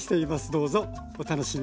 どうぞお楽しみに。